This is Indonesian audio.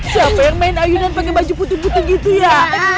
siapa yang main ayunan pengen baju putih putih gitu ya